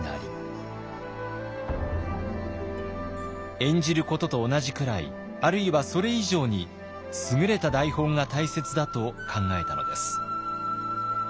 演じることと同じくらいあるいはそれ以上に優れた台本が大切だと考えたのです。